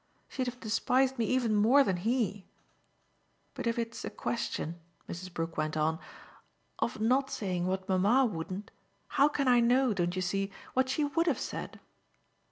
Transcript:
She'd have despised me even more than he. But if it's a question," Mrs. Brook went on, "of not saying what mamma wouldn't, how can I know, don't you see, what she WOULD have said?"